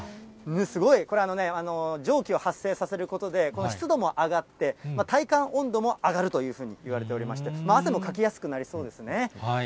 すごい、これね、蒸気を発生させることで、この湿度も上がって、体感温度も上がるというふうにいわれておりまして、汗もかきやすくなりそうですね。